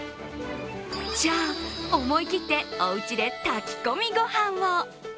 じゃ、思い切っておうちで炊き込みご飯を。